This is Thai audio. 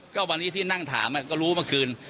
ก็วันนี้ที่นั่งถามก็รู้เมื่อคืน